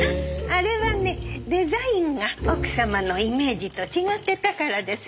あれはねデザインが奥様のイメージと違ってたからですよ。